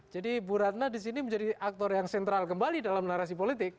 jadi bu ratna disini menjadi aktor yang sentral kembali dalam narasi politik